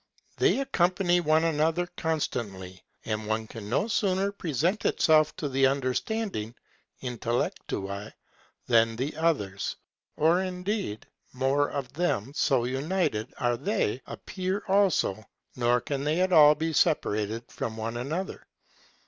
They accompany one another constantly, and one can no sooner present itself to the understanding (intellectui) than the others or, indeed, more of them, so united are they, appear also, nor can they at all be separated from one another.